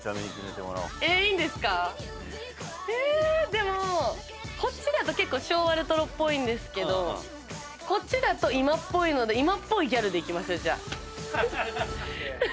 でもこっちだと結構昭和レトロっぽいんですけどこっちだと今っぽいので今っぽいギャルでいきましょう。